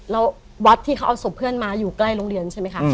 แล้ววัดที่เขาเอาศพเพื่อนมาอยู่ใกล้โรงเรียนใช่ไหมคะ